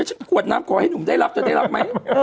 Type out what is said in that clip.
ฉันกวดน้ำขอให้นุ้มได้รับจะได้รับมั้ย